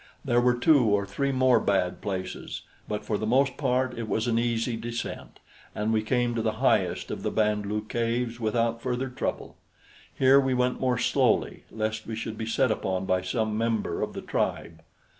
There were two or three more bad places, but for the most part it was an easy descent, and we came to the highest of the Band lu caves without further trouble. Here we went more slowly, lest we should be set upon by some member of the tribe.